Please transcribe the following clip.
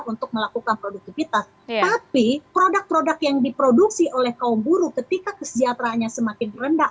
untuk melakukan produktivitas tapi produk produk yang diproduksi oleh kaum buruh ketika kesejahteraannya semakin rendah